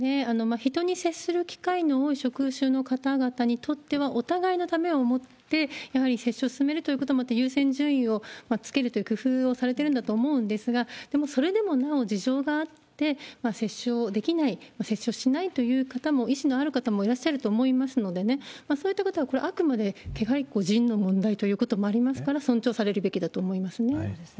人に接する機会の多い職種の方々にとっては、お互いのためを思って、やはり接種を進めるということ、優先順位をつけるという工夫をされてるんだと思うんですが、でもそれでももう、事情があって接種をできない、接種をしないという方も、意思のある方もいらっしゃると思いますので、そういった方はこれ、あくまでやはり個人の問題ということもありますから、尊重されるべきだと思いますね。